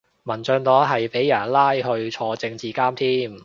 民進黨係俾人拉去坐政治監添